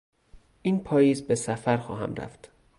این پاییز به سفر خواهم رفت.